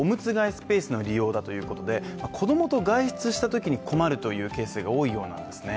スペースの利用だということで子供と外出したときに困るというケースが多いようなんですね。